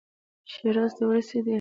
شیراز ته ورسېدی.